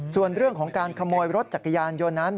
ส่วนเรื่องของการขโมยรถจักรยานยนต์นั้น